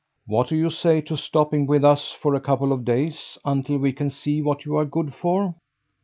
What do you say to stopping with us for a couple of days, until we can see what you are good for?"